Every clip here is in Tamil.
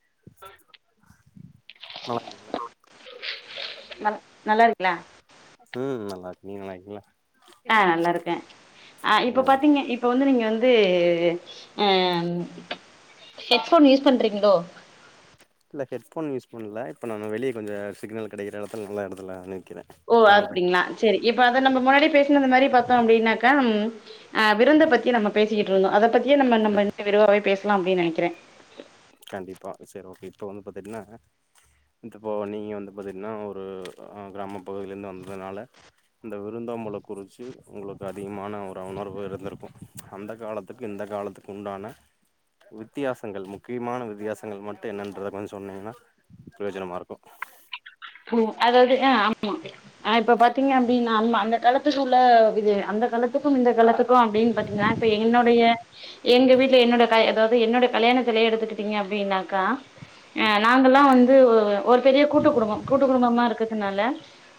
நல்லாருக்கிங்ளா நல் நல்லாருக்கிலா ம் நல்லாருக்கே நீங்க நல்லாருக்கிங்ளா ஆ நல்லாருக்கே ஆ இப்ப பாத்திங்க இப்ப வந்து நீங்க வந்து து ம் ஹெட்ஃபோன் யூஸ் பண்றிங்ளோ ஃபோன் யூஸ் பண்ல இப்ப நா வெளிய கொஞ்ச சிக்னல் கெடைக்குற எடத்துல நல்ல எடத்துல நி ஓ அப்டிங்ளா சேரி இப்ப அத நம்ம முன்னாடியே இந்த மாரி பாத்தோ அப்டினாக்க ஆ விருந்த பத்தி நம்ம பேசிகிட்ருந்தோ அத பத்தியே நம்ம நம்ம இன்னு விரிவாவே பேச லா அப்டின் நெனைக்குறே கண்டிப்பா சேர் ஓகே இப்ப வந்து பாத்துட்டினா இப்போ நீங்க வந்து பாத்திங்னா ஒரு கிராம பகுதில இருந்து வந்ததுனால இந்த விருந்தோம்பல குறிச்சு உங்களுக்கு அதிகமான ஒரு உணர்வு இருந்திருக்கு அந்த காலத்துக்கு இந்த காலத்துக்கு உண்டான வித்தியாசங்கள் மு க்கியமான வித்தியாசங்கள் மட்டு என்னென்றத கொஞ்ச சொன்னிங்கனா ப்ரயோஜனமாருக்கு போ அதாது அ ஆமா இப்ப பாத் திங்கே அப்டினா நம்ம அந்த காலத் தத்துக்கு உள்ள வித அந்த காலத்துக்கும் இந்த காலத் துக்கும் அப்டின்னு பாத்தீங்கனா இப்போ என்னுடைய எங்க வீட்ல என்னோட க- அதாவது என்னோட கல்யாணத்துலையே எடுத்துக்கிட்டீங்க அப்டின்னாக்கா ஆ நாங்கள்லா வந்து ஒரு பெரிய கூட்டுக் குடும்பம் கூட்டுக் குடும்பமா இருக்கறதுனால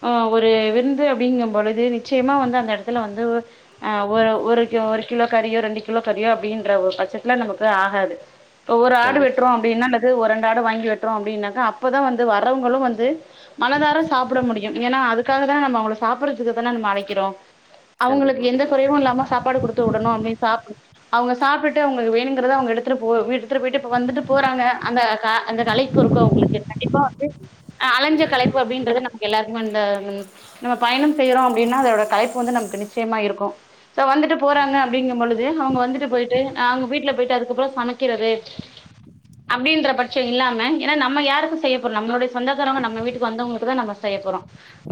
ஆ ஒரு விருந்து அப்டிங்கம்பொழுது நிச்சயமா வந்து அந்த எடத்துல வந்து ஆ ஒரு ஒரு கி ஒரு கிலோ கறியோ ரெண்டு கிலோ கறியோ அப்டின்ற ஒரு பட்சத்துல நமக்கு ஆகாது ஒவ்வொரு ஆடு கண்டிப் வெட்றோம் அப்டினா என்னது ஒரு ரெண் ஆடு வாங்கி வெட்றோம் அப்டினாக்கா அப்போதா வந்து வரவங்களு வந்து மனதார சாப்புட முடியும் ஏன்னா அதுக்காகதா நம்ம அவுங்கள சாப்புறதுக்கு தானே நம்ம அழைக்கிறோம் அவுங்களுக்கு கண்டிப்பா எந்த கொறைவும் கண்டிப்பா இல்லாம சாப்பாடு குடுத்து விடணும் அப்டினு சாப் அவுங்க சாப்ட்டுட்டு அவுங்களுக்கு வேணுங்கிறத அவுங்க எடுத்துட்டு போ வீட்டு எடுத்துட்டு போயிட்டு இப்ப வந்துட்டு போறாங்க அந்த க அந்த கலைப்பு இருக்கும் அவுங்களுக்கு கண்டிப்பா வந்து ஆ அலைஞ்ச கலைப்பு அப்டின்றது நமக்கு எல்லாருக்குமே இந்த நம்ம பயணம் செய்றோ அப்டின்னா அதோட கலைப்பு வந்து நமக்கு நிச்சயமா இருக்கு சோ வந்துட்டு போறாங்க அப்டிங்கும் பொழுது அவுங்க வந்துட்டு போயிட்டு அவுங்க வீட்ல போயிட்டு அதுக்கப்புறம் சமைக்கிறது அப்டின்ற பட்சம் இல்லாம ஏன்னா நம்ம யாருக்கு செய்யப்போறோ நம்மளுடைய சொந்தக் காரங்க நம்ம வீட்டுக்கு வந்தவங்களுக்குதா நம்ம செய்யப்போறோ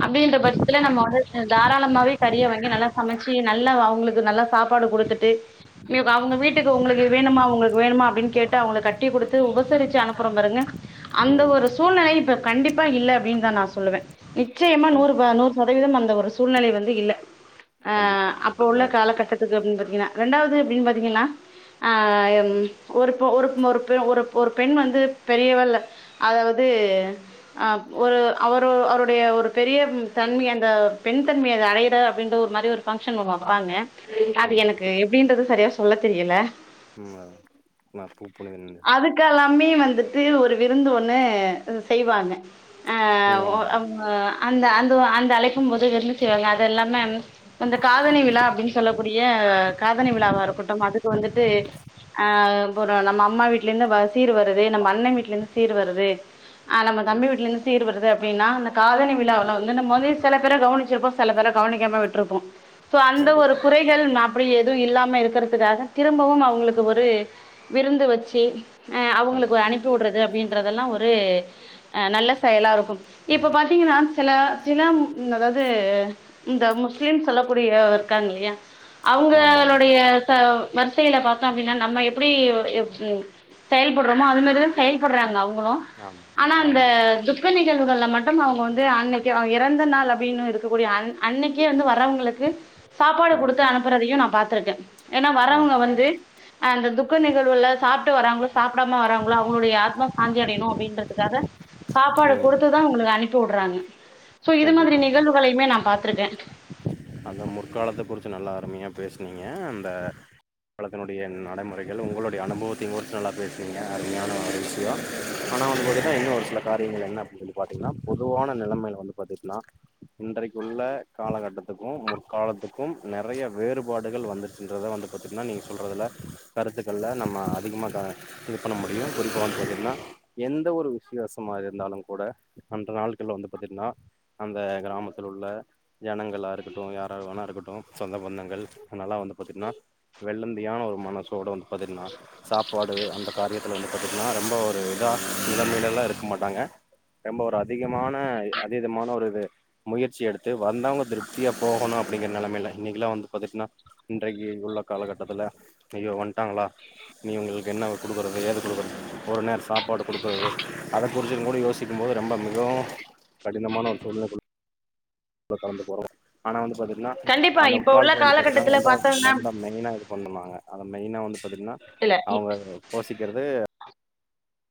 அப்டின்ற பட்சத்துல நம்ம கண்டிப் வந்து தாராளமாவே கறிய வாங்கி நல்லா சமைச்சு நல்ல அவுங்களுக்கு நல்ல சாப்பாடு குடுத்துட்டு மே அவுங்க வீட்டுக்கு உங்களுக்கு வேணுமா உங்களுக்கு வேணுமா அப்டினு கேட்டு கட்டிக் குடுத்து உபசரிச்சு அனுப்புறோ பாருங்க அந்த ம் ஒரு சூழ்நிலை இப்ப கண்டிப்பா இல்ல அப்டின்தா நா சொல்லுவேன் நிச்சயமா கண்டிப் நூறு- நூறு சதவீதம் அந்த ஒரு சூழ்நிலை வந்து இல்ல ஆ கண்டிப்பா அப்ப அதுதா உள்ள ஒரு தப்பு காலகட்டத்துக்கு அப்டினு பாத்தீங்கனா ரெண்டாவது அப்டினு பாத்தீங்கனா ஆ ஒரு ப ஒரு ஒரு பெ ஒரு ஒரு பெண் வந்து பெரியவள் அதாவது அ ஒரு அவரு அவருடைய ஒரு பெரிய தன்மை அந்த பெண் தன்மைய அது‌அடையிற அப்டின்ற ஒரு மாரி ஒரு ஃபங்க்ஷன் வப்பாங்க அது ஆமா எனக்கு எப்டின்றது சரியா சொல்லத் தெரியல உம் நான் பூ புனித வந்து ஒரு விருந்து ஒன்னு செய்வாங்க ஆ ம் ஓ ஆ ஆமா அவுங்க அந்த அந்த அந்த அழைக்கும் போது விருந்து செய்வாங்க அதெல்லாமே அந்த காதனி விழா அப்டினு சொல்லக்கூடிய காதனி விழாவா இருக்கட்டும் அதுக்கு வந்துட்டு ஆ இப்போ ஒரு நம்ம அம்மா வீட்ல இருந்து சீர் வருது நம்ம அண்ணே வீட்ல இருந்து சீர் வருது ஆ நம்ம தம்பி கண்டி வீட் ல இருந்து சீர் வருது அப்டின்னா அந்த காதனி விழாவுல வந்து நம்ம வந்து செல பேர கவனிச்சிருப்போ செல பேர கவனிக்காம விட்ருப்போ சோ அந்த ஒரு கண்டிப்பா குறைகள் அப்டி எதுவும் இல்லாம இருக்கறதுக்காக திரும்பவு அவுங்களுக்கு ஒரு விருந்து வச்சு ஆ அவங்களுக்கு கண்டிப்பா அனுப்பி விடுறது அப்படின்றதெல்லாம் ஒரு ஒரு ஆ நல்ல செயலா இருக்கும் இப்ப பாத்தீங்கன்னா சில சில அதாவது இந்த முஸ்லீம் சொல்லக்கூடியவங்க இருக்காங்க இல்லையா ஆமாம் அவுங்களுடைய ச வரிசையில பாத்தோம் அப்டின்னா நம்ம எப்டி செயல்படுறோமோ அது மாரிதா செயல்படுறாங்க அவுங்க ளும்‌ ஆமா ஆனா அந்த ஆமா துக்க நிக ழ்வுகள்ல மட்டும் அவுங்க வந்து அன்னைக்கு இறந்த நாள் அப்டின்னு இருக்கக்கூடிய ‌அன் அன்னைக்கே வந்து வர்றவங்களுக்கு சாப்பாடு ஆமா குடுத்து அனுப்புறதையும் நான் பாத் [unintelligible] ஏன்னா வரவங்க ஆமா வந்து அந்த துக்க நிகழ்வுகல சாப்ட்டு வராங்களோ சாப்டாம வராங்களோ அவங்களுடைய ஆத்மா சாந்தி அடையணு அப்டின்றதுக்காக சாப்பாடு ம் குடுத்துதா உங்குளுக் அனுப்பி புடுறாங்க சோ இது மாதிரி கண்டிப்பா கண்டிப்பா நிகழ்வுகளையுமே நா பாத் ட்ருக்க அந்த முற்காலத்த குறிச்சு நல்லா அருமையா பேசுனீங்க அந்த காலத்தினுடைய நடமுறைகள் உங்களுடைய அனுபவத்தை குறிச்சு நல்லா பேசுனீங்க அருமையான ஒரு விஷயொ ஆனா வந்து பாத்தீன்னா இன்னும் ஒரு சில காரியங்கள் என்ன அப்படின் சொல்லி பாத்தீங்கன்னா பொதுவான நெலமையில வந்து பாத்தீட்டுன்னா இன்றைக்கு உள்ள காலகட்டத் க்கு முற்காலத்துக்கும் நெறைய வேறுபாடுகள் வந்துருச்சுன்றத வந்துட் பாத்தீங்கன்னா நீங்க சொல்றதுல கருத்துக்கள்ல நம்ம அதிகமாக இது பண்ண முடியு குறிப்பா [inaudible] பாத்தீங்கன்னா எந்த ஒரு விஷ்யாசமா இருந்தாலு கூட அந்த நாள்கள்ல வந்து பாத்தீங்கன்னா அந்த கிராமத்துல உள்ள ஜனங்களாரு ரா வேணா இருக்கட்டு சொந்த பந்தங்கள் வ்ங்களா வந்து பாத்தீங்ன்னா வெள்ளந்தியான ஒரு மனசோட வந்து பாத்தீட்டுன்னா சாப் பாடு அந்த காரியத்துல வந்து பாத்திங்கன்னா ரொம் பொ ஒரு இதா [inaudible] இருக்க மாட்டாங்க ரொம்ப ஒரு அதிகமான அதீதமான ஒரு முயற்சி எடுத்து வந்தவங்க திரு ப்தியா போகணு அப்டிங்கிற நெலமைையில இன்னைக்கல்லா வந்து பாத்துட்ன்னா இன்றைக்கு உள்ள காலகட்டத்துல ஐய்யோ வந்ட்டாங்களா இனி இவ்ங்களுக்கு என்ன குடுக்குறது ஏது குடுக்குறது ஒரு நேர் சாப்பாடு குடுக்குறது அத குறிச்ச கூட யோசிக்கம் போது ரொம்ப மிகவு கடினமான ஒரு சூழ்நில கலந்து போறோ ஆனா வந்து பாத்தீங் னா கண்டிப்பா அந்த இப்ப உள்ள காலத்துல வந்து பாத்துட்ன்னா காலகட்டத்துல வந்தா பாத்தோம்னா வந்த மெயினா இருக் கொண்ணும்பாங்க அத மெயினா வந்து பாத்திட்ன்னா இல்ல இ அவங்க [unintelligible] க்கிறது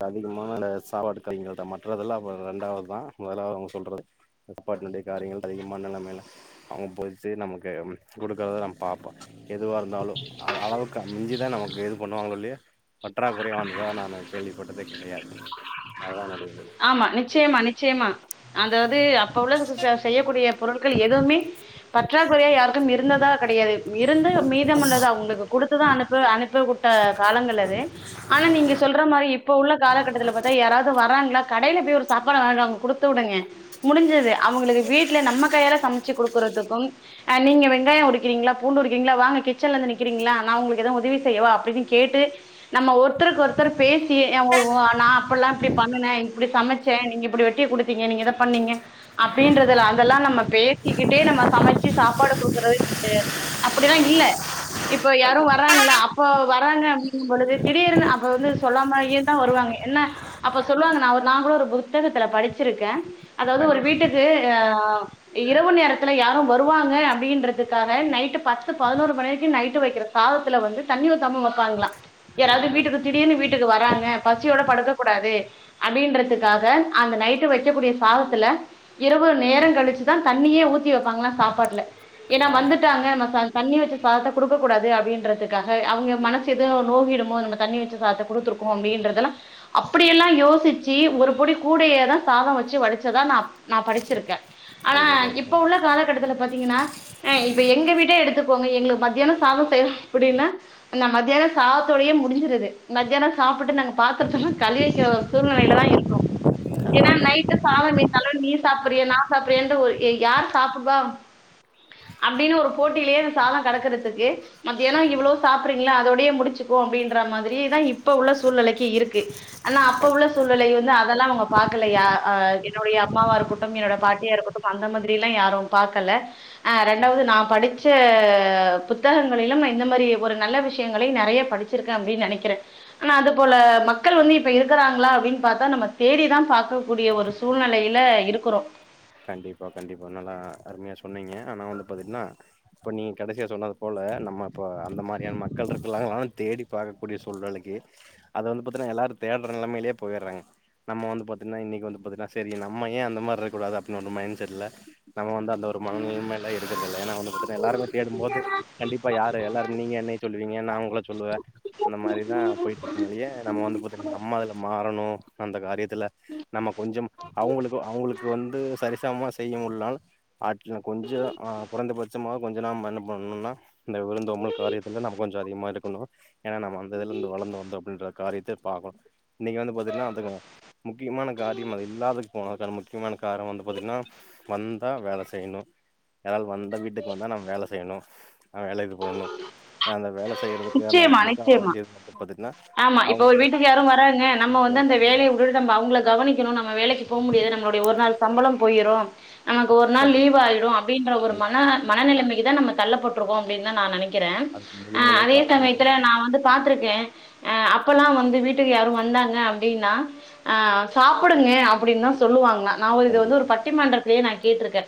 அதிகமானல [unintelligible] கள்ங்கள்தா மற்றதெல்லா அப்போ ரெண்டாவதுதா மொதலாவ்து அவங்க சொல்றது [unintelligible] காரியங்கள் அதிகமான நெலமைல அவங்க போய்ச்சு நமக்கு குடுக்குறத நம்ம பாப்போ எதுவா இருந்தாலு அ அளவுக்கு மிஞ்சிதா நமக்கு எது பண்ணுவாங்க இல்லயா பற்றாகுறைவா வந்ததா நானு கேள்விப்பட்டதே கெடையாது அதா நாடு ஆமா நிச்சயமா நிச்சயமா அந்தாவது அப்ப உள்ள செ செய்யக்கூடிய பொருள்கள் எதுவுமே பற்றாக்குறையா யாருக்கும் இருந்ததா கெடையாது ர் இருந்த மீதம் உள்ளத அவங்களுக்கு குடுத்துதா அனுப்பு அனுப்பி வுட் ட காலங்கள் அது ஆனா நீங்க சொல்ற மாரி இப்ப உள்ள காலகட்டத்துல பாத்தா யாராவது வராங்ளா கடைல போய் ஒரு சாப்பாட வாங் அவங்க குடுத்து வுடுங்க முடிஞ்சுது அவங்களுக்கு வீட்டுல நம்ம கையால சமைச்சு குடுக்குறதுக்கும் அ நீங்க வெங்காயோ உரிக்கிறீங்களா பூண்டு உரிக்கிறீங்களா வாங்க கிச்சன்லந்து நிக்குறீங்களா நா உங்களுக்கு எதுவ் உதவி செய்யவா அப்டி இப்டின்னு கேட்டு நம்ம ஒருத்தருக்கு ஒருத்தர் பேசி அவங் ஓ நா அப்பல்லா இப்டி பண்ணுனே ப்டி சமைச்ச நீங்க இப்பிடி வெட்டி குடுத்தீங்க நீங்க இத பண்ணீங்க அப்டின்றதுல அதெல்லா நம்ம பேசிக்கிட்டே நம்ம சமைச்சு சாப்பாடு குடுக்குறதுங்குறது அப்டிலா இல்ல இப்ப யாரு கண்டிப்பா வறங்களா அப்ப வறாங்க அப்டிங்க பொழுது திடீர்னு அப்ப வந்து சொல்லாமாயிதா வருவாங்க என்ன அப்ப சொல்லுவாங்க நா ஒர் நா கூட ஒரு புத்தகத்துல படிச்சிருக்க அதாவது ஒரு கண்டிப்பா வீட்டுக்கு ஆ இரவு நேரத்துல யாரோ வருவாங்க அப்டின்றதுக்காக நைட்டு பத்து பதினோரு மணி வரைக்கு நைட்டு வைக்கிற சாதத்துல வந்து தண்ணி ஊத்தாம வப்பாங்களா யாராவது ஆமா வீட்டுக்கு திடீர்னு வீட்டுக்கு வராங்க பசியோட படுக்க கூடாது அப்டின்றதுக்காக அந்த நைட்டு வெக்கக்கூடிய சாதத்துல இரவு நேரோ கழிச்சுதா தண்ணியே ஊத்தி வெப்பாங்களா சாப்பாட்டுல ஏனா ஆமா வந்துட்டாங்க நம்ம ச தண்ணி வச்ச சாதத்தே குடுக்க கூடாது அப்டின்றதுக்காக அவங்க மனசு எதோ நோகிடுமோ நம்ம தண்ணி வச்ச சாதத்தே குடுத்துருக்கோ அப்டின்றதெல்லா அப்பிடியெல்லா யோசிச் சி ஒரு புடி கூடையேதா சாதம் வச்சு வடிச்சதா ந நா படிச்சிருக்க ஆனா கண்டிப்பா இப்ப உள்ள காலகட்டத்துல பாத் திங்னா ஆ இப்ப எங்கே வீட்டே எடுத்துக்கோங்கே எங்ளுக் மத்யானு சாதோ செய்யே புடியுன்னா நா மத்யானு சாத்தோட்யே முடிஞ்சுரது மத்யானு சாப்புட்டூ நாங்கே பாத்தரத்தெல்லா கழிவெக்ரவொரு சூழ்நிலையில் ல்லதா இருக்கோ ஏனா கண்டிப்பா நைட்டு கண்டிப்பா சாதோ மீந்தாலோன் நீ சாப்பிறியா நா சாப்பிறியாண்டு ஒரு ஏய் யாரு சாபுட்வா அப்டினு ஒரு போட்டியிலியே அ சாதோ கடக்குறதுக்கு மத்யானு இவ்ளோ சாப்றீங்ளே அதோடியே முடிச்சுக்வோ அப்டீன்றே மாதிரிதா இப்போ உள்ள சூழ்நெலக்கி இருக்கு கண்டிப்பா ந்த அதேலா அவுங்கே பாக்கலையா ஆ என்னோடையே அம்மாவா இருக்குட்டும் என்னோட பாட்டியா இருக்குட்டும் அந்த மாதிரிலா யாரோ பாக்கலே ஆ ரெண்டாவுது நா படிச்சே புத்தகங்களிலும் நா இந்த மாரி ஒரு நல்ல விஷ்யங்களை நெறைய படிச்சிருக்கே அப்டின் நெனைக்கிறே நா அது போலே மக்கள் வந்து இப்பே இருக்குறாங்ளா ப்டின் பாத்தா நம்மே தேடிதா பாக்க கூடியே ஒரு சூழ்நெலையில இருக்குறோ கண்டிப்பா கண்டிப்பா நல்லா அரும்யா சொன்னீங்கே ஆனா ஒன்னு பாத்திட்னா இப்போ நீ கடசியா சொன்னது போலே நம்ம அப்போ அந்த மாரியான மக்கள் டிருக்குலாகவான் தேடி பாக்கக்கூடிய சூழ்நெலைக்கு அத வந்து பாத்தனா எல்லாரு தேட்றே நெலைமையிலே போயிறாங்கே நம்மோ வந்து பாத்தீனா இன்னிக்கி வந்து பாத்தீனா செரி நம்ம ஏ அந்த மாரிக்கூடாதா இனோனு மைண்ட் செட்லே நம்மே வந்தால் தா ஒரு மனநிலைமைலே இரு கிர்த்தில்லே ஏனா அவுனுக்கு ப்பதா எல்லாருக்மே தேடும்போது கண்டிப்பா யாரு எல்லாரும் நீங்கே என்னையே சொல்லுவீங்கே நா உங்களே சொல்லுவே அந்த மாரிதா போயிட்டுருக்கும் மொலியே நம்ம வந்தபோதில் நம்ம அதுலமா பண்னோ அந்த காரியத் தில்லே நம்ம கொஞ்சம் அவுங்குளுக்கு அவுங்குளுக்கு வந்து சரிசவுமா செய்யே முல்லாலு ஆட்லினா கொஞ்சோ ஆ பொறந்த போது சிம்மா கொஞ்சோ நாம் என்ன பண்ணுனா இந்த விழுந்தோம்பல் காரியத்துல நம்ம கொஞ்சோ அதிகமா இருக்குணு ஏனா நம்ம வந்ததேலிண்டு வளந்து வந்தோ அப்டின்ற கார்யத்தே பாக்குனு இன்னிக்கு வந்து பாத்திட்னா வந்துக்கோங்க முக்கியமான காரியம் அது இல்லாதுக்கு போனதுக்கான முக்கியமான காரோ வந்து பாத்தீட்னா வந்தா வேல செயிணு யாரால் வந்தா வீட்டுக்கு வந்தா நம் வேல செய்யணு நா வேலக்கி போணு அ அந்த வேலஸ் செய்றதுக்கான நிச்சயமா, நிச்சயமா. முக்காவாசி [inaudible] ஆமா இப்ப ஒரு அவங்க வீட்டுக்கு யாரு வராங்க நம்ம வீட்டுக்கு வந்து அந்த வந்துட்டாங்கன்னா வேலைய உட்டுட்டு நம்ப அவ்ங்கள கவனிக்கிணு நம்ம வேலக்கி போம் முடியாது நம்மளுடைய ஒரு நாள் சம்பளம் போயிரு நமக்கு ஒரு நாள் கண்டிப்பா லீவ்வாய்டு அப்டின்ற ஒரு கண்டிப்பா மன மனநிலமைக்கிதா நம்ம தள்ளப்பட்ருக்கோ அப்டின்தா நா நெனக் கிற அதுக்கு முழு ஆ முழு அதே காரணம் சமயத்துல நா வந்து பாத்ருக்கே அப்பல்லா வந்து வீட்டுக்கு யாரு வந்தாங்க அப்டின்னா ஆ சாப்புடுங்க அப்டின்தா சொல்லுவாங்க நாம இத வந்து கண்டிப்பா ஒரு பட்டிமன்றத்லயே நா கேட்ருக்க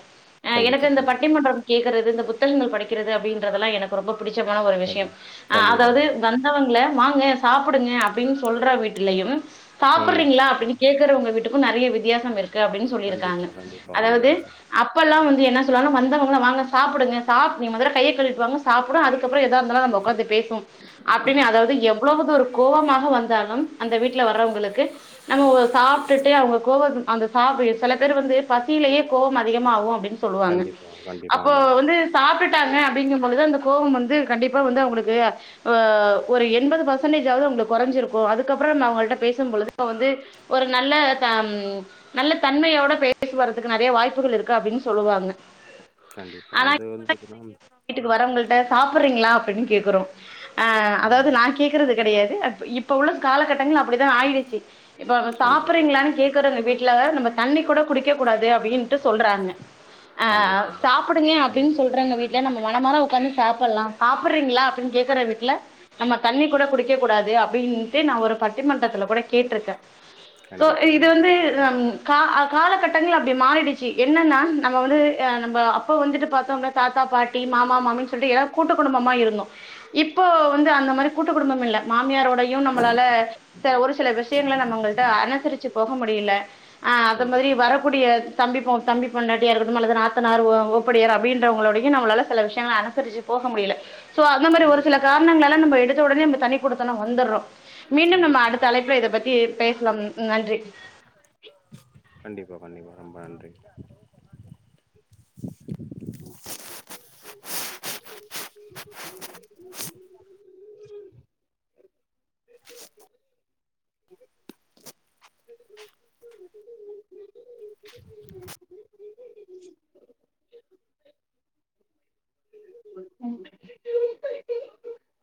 ஆ எனக்கு கண்டிப்பா இந்த கண்டி பட்டிமன்றம் கேக்குறது இந்த புத் தஹங்கள் படிக்கிறது அப்டின்றதெல்லா எனக்கு ரொம்ப புடிச்சமான ஒரு விஷயம் அ கண்டிப்பா. அதாவ்து வந்தவங்கள வாங்க சாப்புடுங்க அப்டின் சொல்ற வீட்டுலையும் ம். சாப்புர்றீங்ளா அப்டின்னு கேக்குறவுங்க வீட் ட்டுக்கு நெறய வித்தியாசம் இருக் கு அப்டின்னு சொல்லியிருக்காங்க கண்டிப்பா, கண்டிப்பா, அதாவது கண்டிப்பா சார். அப்பெல்லா வந்து என்ன சொல்லுவாங்னா வந்தவங்க வாங்க சாப்பிடுங்க சாப் நீங்க மொதல்ல கைய கழுவிட்டு வாங்க சாப்பிடு அதுக்கப்புறோ எதா இருந்தாலு நம்ம உட்காந்து பேசி டு அப்டின்னு அதாவது எப் அவ்ளவுது ஒரு கோவமாக வந்தாலும் அந்த வீட்ல வர்றவங்களுக்கு நம்ம சாப்பிட்டுட்டு அவங்க கோவம் அந்த சா சில பேர் வந்து பசியிலயே கோவோம் அதிகமாகு அப்டின்னு சொல்லுவாங்க கண்டிப்பா, கண்டிப்பா. அப்போ ஆமா. வந்து சாப்பிட்டுட்டாங்க அப்படிங்கும்பொழுது அந்த கோபம் வந்து கண்டிப்பா வந்து அவுங்களுக்கு ஒரு எண்பது பர்சன்டேஜாவது அவுங்களுக்கு குறைஞ்சிருக்கு அதுக்கப்புறம் அவங்களிட்ட பேசும்பழுது வந்து ஒரு நல்ல ம் நல்ல தன்மையோட பேசுவர்றதுக்கு நெறய வாய்ப்புகள் இருக்கு அப்டின்னு சொல்லுவாங்க கண்டிப்பா அந்து வந்ததுனா சாப்பிடுடறீஙளா அப்படின்னு கேக்குறோ ஆஹ அதாவது ஆமா. நா கெடையாது இப்ப உள்ள காலகட்டங்கள் அப்படித்தா ஆயிடுச்சு இப்ப கண்டிப்பா, சாப்பிடறீங்களானு கேக்குறவங்க வீடு வீட்ல நம்ம தண்ணி கூட குடிக்க கூடாது அப்டின்ட்டு சொல்றாங்க ஆஹ் கண்டிப்பா. சாப்பிடுங்க ம். அப்படின்னு சொல்றவங்க வீட்ல நம்ம மன மார உட்காந்து சாப்பில்லா சாப்பிடறீங்ளா அப்டின்னு கேக்குற வீட்ல நமக்கு தண்ணி கூட குடிக்க கூடாது அப்படின்ட்டு நா ஒரு பட்டிமன்றத்துல கூட கேட்டிருக்க தோ கண்டிப்பா, இது கண்டிப்பா, வந்து ம் கா காலகட்டங்கள் அப்படி மாறிடுச்சு என்னன்னா நம்ம வந்து நம்ம அப்ப வந்துட்டு பாத்தோம்னா தாத்தா பாட்டி மாமா மாமின்னு சொல்ட்டு கூட்டு குடும்பமா இருந்தோ இப்போ வந்து அந்த மாரி கூட்டு குடும்பம் இல்ல மாமியாரோடயு நம்மளால ஒரு சில விஷ்யங்கள்ள நம்ம அவங்கள்ட்ட அனுசரிச்சு போக முடியல அ அத மாரி கண்டிப்பா, வரக்கூடிய தம்பி பொ தம்பி பொன்னாட்டியா இருக்கட்டும் இல்ல நாத்தனார் ஒ ஒப்படியர் அப்படின்றவங்களோடயு நம்மளால சில விஷ்யங்கள அனுசரிச்சு போக முடியல சோ அந்த மாரி ஒரு கண்டிப்பா, சில காரணங்களால நம்ம‌ எடு எடுத்த உடனே நம்ம தனி குடுத்தனம் வந்துடறோ மீண்டும் நம்ம கண்டிப்பா, அடுத்த அழைப்புல இத பத்தி கே பேசலாம் நன்றி கண்டிப்பா கண்டிப்பா ரொம்ப நன்றி ம்